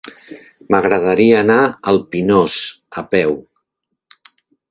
M'agradaria anar al Pinós a peu.